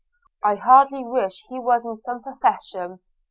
– I hardly wish he was in some profession.